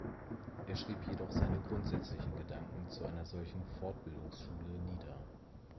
Er schrieb jedoch seine grundsätzlichen Gedanken zu einer solchen „Fortbildungsschule“ nieder.